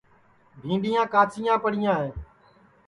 بھینٚڈؔیا کاچیاں پڑیاں ہے